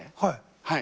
はい。